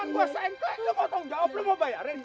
lo mau tanggung jawab lo mau bayarin